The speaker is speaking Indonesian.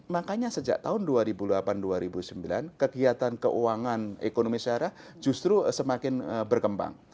makanya sejak tahun dua ribu delapan dua ribu sembilan kegiatan keuangan ekonomi syara justru semakin berkembang